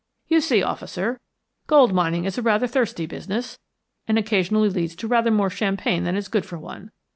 You see, officer, gold mining is rather a thirsty business, and occasionally leads to rather more champagne than is good for one.